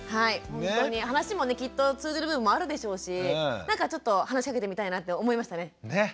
ほんとに話もねきっと通じる部分もあるでしょうしなんかちょっと話しかけてみたいなって思いましたね。